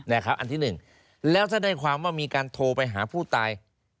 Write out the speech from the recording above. อันที่หนึ่งแล้วถ้าได้ความว่ามีการโทรไปหาผู้ตาย